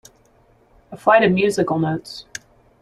A flight of musical notes.